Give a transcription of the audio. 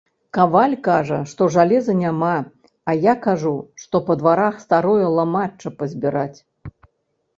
Каваль кажа, што жалеза няма, а я кажу, што па дварах старое ламачча пазбіраць.